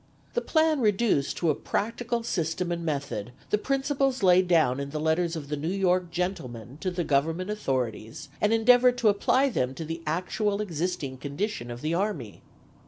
The plan reduced to a practical system and method the principles laid down in the letters of the New York gentlemen to the Government authorities and endeavored to apply them to the actual existing condition of the army.